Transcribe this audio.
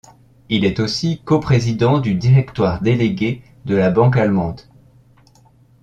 Il est aussi co-président du directoire délégué de la banque allemande.